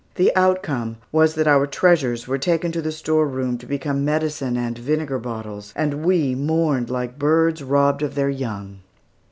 The outcome was that our treasures were taken to the store room to become medicine and vinegar bottles, and we mourned like birds robbed of their young.